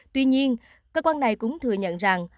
tuy nhiên cơ quan này cũng thừa nhận rằng